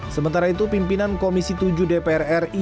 sementara itu pimpinan komisi tujuh dpr ri